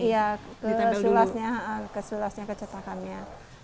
iya ke sulasnya ke cetakannya